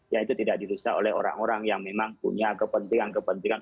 ya itu tidak dirusak oleh orang orang yang memang punya kepentingan kepentingan